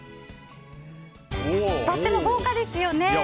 とても豪華ですよね。